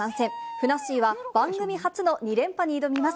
ふなっしーは番組初の２連覇に挑みます。